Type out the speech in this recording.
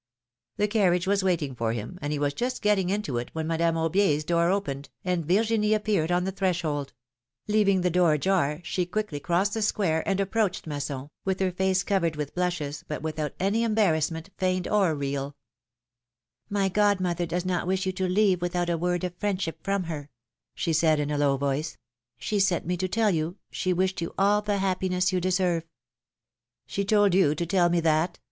The carriage was waiting for him, and he was just getting into it when Madame Aubier's door opened, and Virginie appeared on the threshold; leaving the door ajar, she quickly crossed the square, and a2)proached Masson, with her face covered with blushes, but without any embarrassment, feigned or real. 198 PHILOMi:NE's MARRIAGES. My godmother does not wish you to leave without a word of friendship from her/^ she said, in a low voice; ^^she sent me to you to tell you she wished you all the happiness you deserve ^^She told you to tell me that?